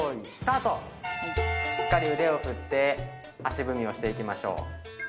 しっかり腕を振って足踏みをしていきましょう。